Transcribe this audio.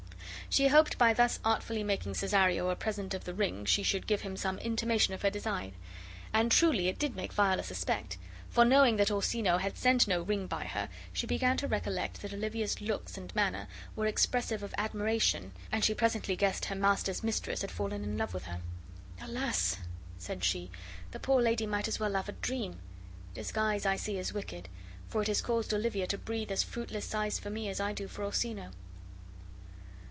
She hoped by thus artfully making Cesario a present of the ring she should give him some intimation of her design; and truly it did make Viola suspect; for, knowing that Orsino had sent no ring by her, she began to recollect that Olivia's looks and manner were expressive of admiration, and she presently guessed her master's mistress had fallen in love with her. "Alas!" said she, "the poor lady might as well love a dream. Disguise I see is wicked, for it has caused Olivia to breathe as fruitless sighs for me as I do for Orsino."